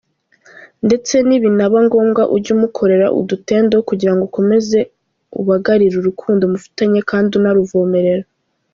ndetse nibinaba ngombwa ujye umukorera udutendo kugira ngo ukomeze bagarire urukundo mufitanye kandi unaruvomerera.